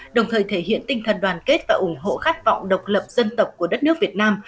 đồng thời thể hiện tinh thần đoàn kết và ủng hộ khát vọng độc lập dân tộc của đất nước việt nam